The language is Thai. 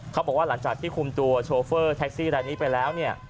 เขาบอกว่าหลังจากที่คุมตัวโชเฟอร์แท็กซี่รายนี้ไปแล้วเนี่ย